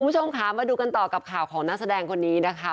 คุณผู้ชมค่ะมาดูกันต่อกับข่าวของนักแสดงคนนี้นะคะ